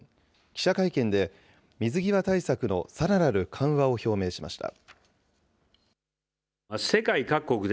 記者会見で、水際対策のさらなる緩和を表明しました。